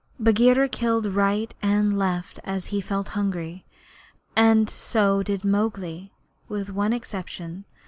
Bagheera killed right and left as he felt hungry, and so did Mowgli with one exception.